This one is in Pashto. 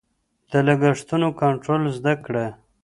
د لګښتونو کنټرول زده کړه.